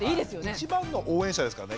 一番の応援者ですからね